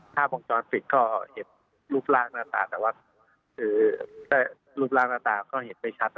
ถ้าบางจรภิษย์ก็เห็นรูปร้างหน้าตาก็เห็นไปชัด